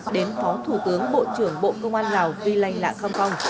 đến phó thủ tướng bộ trưởng bộ công an lào vi lây lạ kham phong